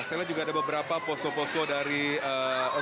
saya lihat juga ada beberapa posko posko dari organisasi lain juga